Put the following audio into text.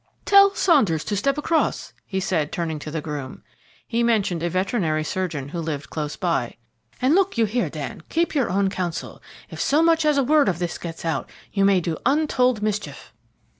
"Tell Saunders to step across," he said, turning to the groom. He mentioned a veterinary surgeon who lived close by. "And look you here, Dan, keep your own counsel. If so much as a word of this gets out, you may do untold mischief."